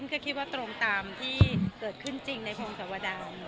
คือตรงตามที่เกิดขึ้นในหุ่นสวดอน